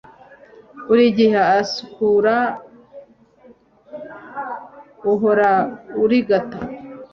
Buri gihe usukura uhora urigata